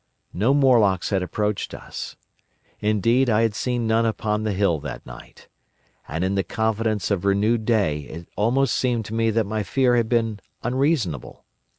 No Morlocks had approached us. Indeed, I had seen none upon the hill that night. And in the confidence of renewed day it almost seemed to me that my fear had been unreasonable.